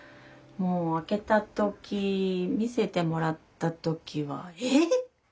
もう開けた時見せてもらった時はえっ！